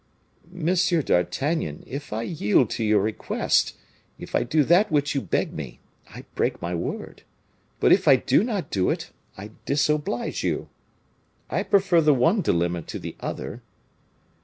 "Monsieur d'Artagnan, if I yield to your request, if I do that which you beg me, I break my word; but if I do not do it, I disoblige you. I prefer the one dilemma to the other.